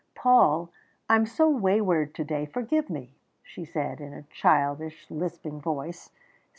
"Paul I am so wayward to day, forgive me," she said in a childish, lisping voice.